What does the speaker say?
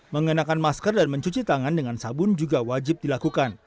mengenakan masker dan mencuci tangan dengan sabun juga wajib dilakukan